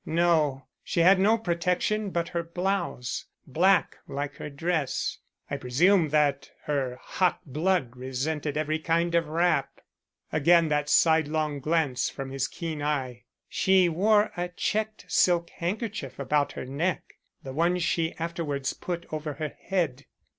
"No, she had no protection but her blouse, black like her dress. I presume that her hot blood resented every kind of wrap." Again that sidelong glance from his keen eye. "She wore a checked silk handkerchief about her neck the one she afterwards put over her head."